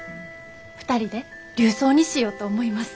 ２人で琉装にしようと思います。